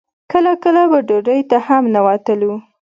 کله کله به ډوډۍ ته هم نه وتلو.